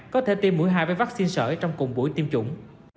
có thể tiêm mũi hai với vaccine sởi trong cùng buổi tiêm chủng